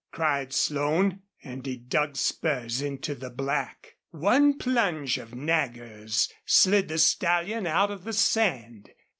cried Slone, and he dug spurs into the black. One plunge of Nagger's slid the stallion out of the sand.